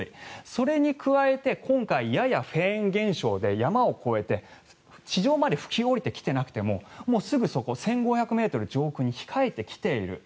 それに加えて今回、ややフェーン現象で山を越えて地上まで吹き下りてきてなくてももうすぐそこ上空１５００ｍ付近に控えてきている。